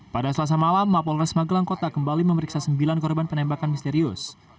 pada selasa malam mapolres magelang kota kembali memeriksa sembilan korban penembakan misterius